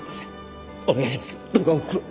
お願いします。